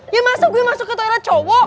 ya masa gue masuk ke toilet cowok